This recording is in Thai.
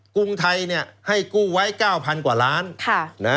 กรุงไทยให้กู้ไว้๙๐๐กว่าล้าน